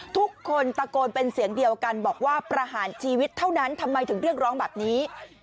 ทุกคนตะโกนเป็นเสียงเดียวกันบอกว่าประหารชีวิตเท่านั้นทำไมถึงเรียกร้องแบบนี้